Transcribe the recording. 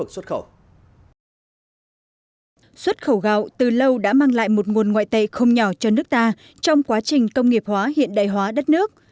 xuất khẩu gạo từ lâu đã mang lại một nguồn ngoại tệ không nhỏ cho nước ta trong quá trình công nghiệp hóa hiện đại hóa đất nước